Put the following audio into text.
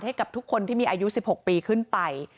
ให้กับทุกคนที่มีอายุ๑๖ปีขึ้นไป